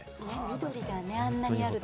緑があんなにあると。